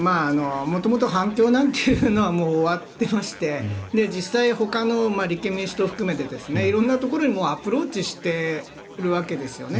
元々、反共なんていうのは終わっていまして実際、ほかの立憲民主党を含めて色んなところにアプローチしているわけですよね